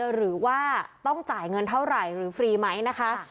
หรือว่าต้องจ่ายเงินเท่าไหร่หรือฟรีไหมนะคะ